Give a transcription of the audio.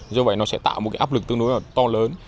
do vậy nó sẽ tạo một cái áp lực tương đối là to lớn